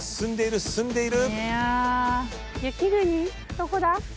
どこだ？